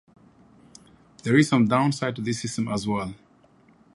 There is some downside to this system as well.